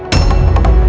dan yang berikutnya